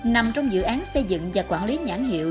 nằm trong dự án xây dựng và quản lý nhãn hiệu